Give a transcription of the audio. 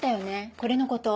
これのこと。